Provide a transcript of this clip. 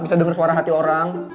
bisa dengar suara hati orang